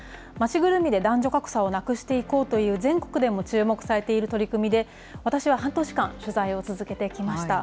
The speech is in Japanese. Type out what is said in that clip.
ぐるみで男女格差をなくしていこうという全国でも注目されている取り組みで、私は半年間取材を続けてきました。